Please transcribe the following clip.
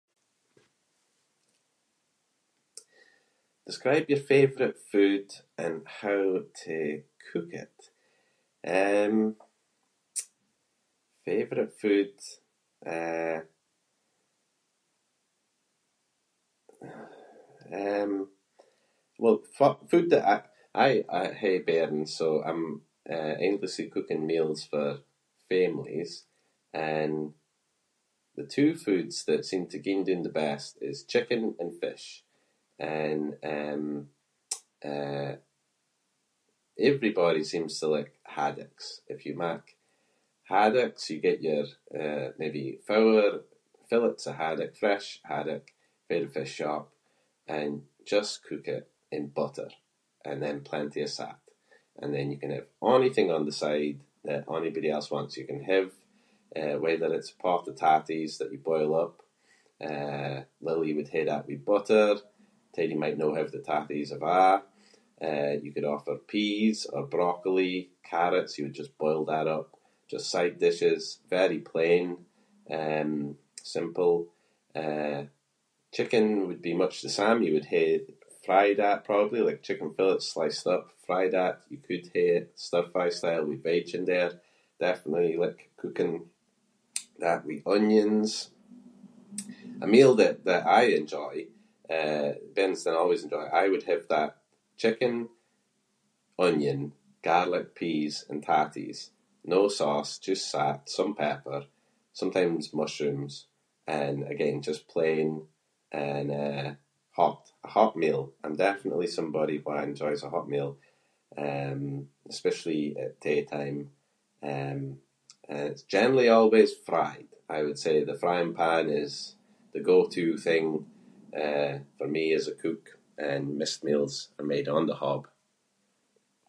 Describe your favourite food and how to cook it. Um, favourite food, eh- um, well fu- food that I- I- I hae bairns so I’m, eh, endlessly cooking meals for families and the two foods that seem to ging doon the best is chicken and fish and, um, eh everybody seems to like haddocks. If you mak haddocks, you get your, eh, maybe four fillets of haddock- fresh haddock fae the fish shop and just cook it in butter and then plenty of salt and then you can have onything on the side that onybody else wants you can have, eh, whether it’s a pot of tatties that you boil up. Eh, Lily would hae that with butter. Teddy might no have the tatties at a’. Eh, you could offer peas or broccoli, carrots- you would just boil that up. Just side dishes, very plain, um, simple. Eh, chicken would be much the same. You would hae it fried that probably- like chicken fillets sliced up, fry that. You could hae it stir-fry style with veg in there. Definitely like cooking that with onions. A meal that- that I enjoy- eh bairns are always enjoyed- I would have that- chicken, onion, garlic, peas and tatties. No sauce, just salt, some pepper, sometimes mushrooms and again, just plain and, eh, hot- a hot meal. I'm definitely somebody who enjoys a hot meal, um, especially at tea time, um, and it’s generally always fried. I would say the frying pan is the go-to thing, eh, for me as a cook and maist meals are made on the hob.